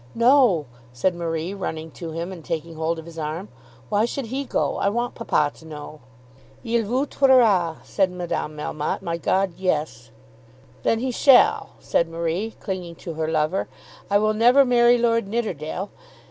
"No," said Marie, running to him, and taking hold of his arm. "Why should he go? I want papa to know." "Il vous tuera," said Madame Melmotte. "My God, yes." "Then he shall," said Marie, clinging to her lover. "I will never marry Lord Nidderdale.